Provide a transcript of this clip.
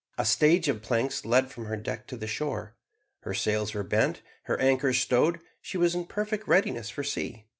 A stage of planks led from her deck to the shore. Her sails were bent, her anchor stowed, she was in perfect readiness for sea.